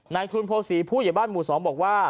นายคุณโพศีผู้เหยียบบ้านหมู่สองบอกว่า